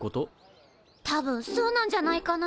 たぶんそうなんじゃないかな？